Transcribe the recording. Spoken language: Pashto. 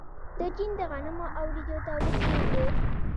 د چین د غنمو او وریجو تولید ډیر دی.